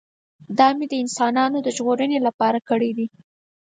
دا مې د انسانانو د ژغورنې لپاره کړی دی.